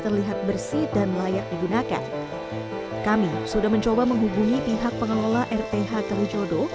terlihat bersih dan layak digunakan kami sudah mencoba menghubungi pihak pengelola rth kalijodo